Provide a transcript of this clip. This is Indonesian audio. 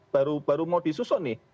baru baru mau disusun nih